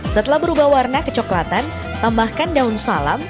setelah berubah warna kecoklatan tambahkan daun salam